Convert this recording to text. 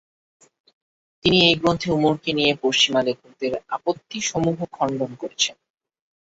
তিনি এই গ্রন্থে উমরকে নিয়ে পশ্চিমা লেখকদের আপত্তি সমূহ খণ্ডন করেছেন।